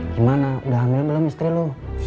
gimana udah hamil belum istri lu